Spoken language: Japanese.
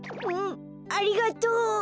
うんありがとう！